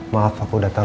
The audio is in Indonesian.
maaf aku datang